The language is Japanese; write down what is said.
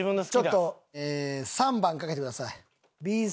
ちょっと３番かけてください。